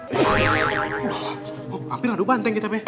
noloh hampir adu banteng kita be